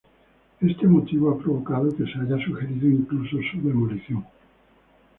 Este motivo ha provocado que se haya sugerido incluso, su demolición.